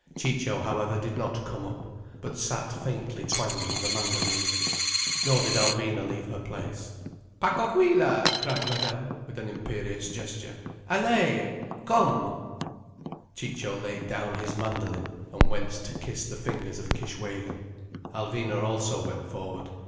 Ciccio however did not come up, but sat faintly twanging the mandoline. Nor did Alvina leave her place. "Pacohuila!" cried Madame, with an imperious gesture. "Allaye! Come—" Ciccio laid down his mandoline and went to kiss the fingers of Kishwégin. Alvina also went forward.